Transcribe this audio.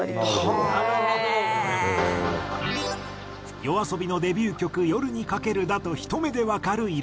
ＹＯＡＳＯＢＩのデビュー曲『夜に駆ける』だとひと目でわかる色。